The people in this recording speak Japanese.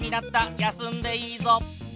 休んでいいぞ。